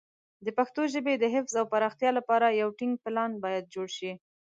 د پښتو ژبې د حفظ او پراختیا لپاره یو ټینګ پلان باید جوړ شي.